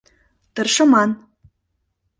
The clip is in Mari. Тыршыман.